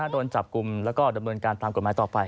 โดนจับกลุ่มแล้วก็ดำเนินการตามกฎหมายต่อไป